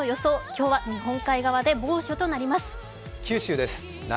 今日は日本海側で猛暑となります。